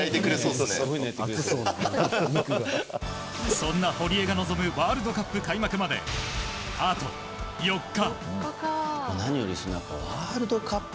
そんな堀江が臨むワールドカップ開幕まであと４日。